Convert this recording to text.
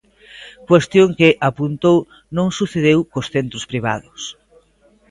Cuestión que, apuntou, non sucedeu cos centros privados.